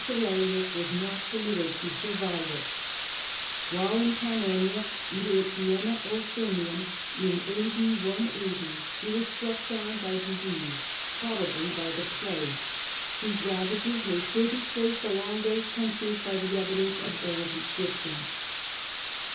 Aurelius was not permitted to survive it. While in Pannonia, either at Vienna or at Sirmium, he was struck down by disease, probably by the plague, no The Age of the Antonines. A. IX whose ravages may still be traced along those countries by the evidence of old inscriptions.